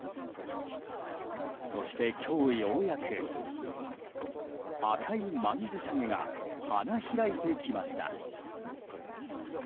そして今日ようやく赤い曼殊沙華が花開いてきました。